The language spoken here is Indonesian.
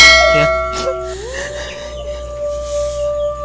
ibu harus yakin